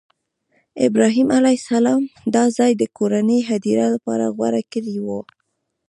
ابراهیم علیه السلام دا ځای د کورنۍ هدیرې لپاره غوره کړی و.